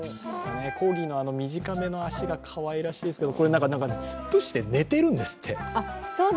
コーギーの短めの足がかわいらしいですけど、突っ伏して、寝ているんですって。